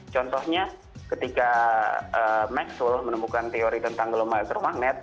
contohnya ketika maxwell menemukan teori tentang gelombang agromagnet